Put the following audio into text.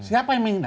siapa yang menghina